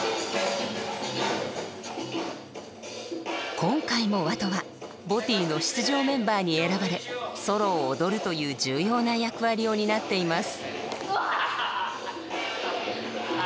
今回もＷＡＴＯはＢＯＴＹの出場メンバーに選ばれソロを踊るという重要な役割を担っています。